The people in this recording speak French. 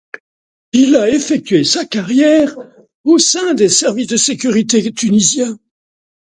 Il a effectué sa carrière au sein des services de sécurité tunisiens.